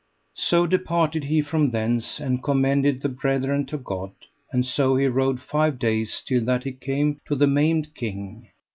So departed he from thence, and commended the brethren to God; and so he rode five days till that he came to the Maimed King.